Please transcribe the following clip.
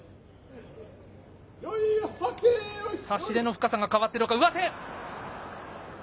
さし手の深さが変わってるのか、上手。